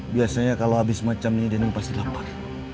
biasanya kalau habis macam ini dinam pasti lapar